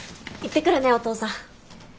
いってくるねお父さん。